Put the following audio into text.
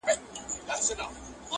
ورته وخاندم او وروسته په ژړا سم،